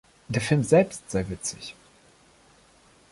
Der Film selbst sei witzig.